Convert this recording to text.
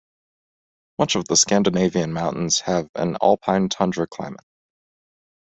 Much of the Scandinavian mountains have an alpine tundra climate.